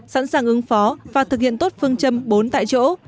sẵn sàng ứng phó và thực hiện tốt phương châm bốn tại chỗ